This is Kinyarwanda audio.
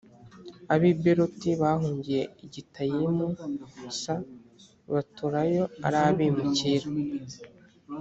ab i beroti bahungiye i gitayimu s baturayo ari abimukira